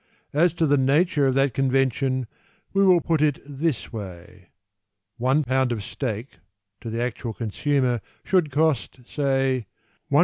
As to the nature of that convention We will put it this way: One pound of steak To the actual consumer Should cost, say, 1s.